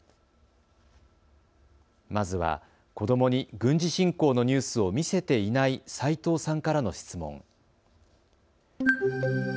まずは子どもに軍事侵攻のニュースを見せていない齋藤さんからの質問。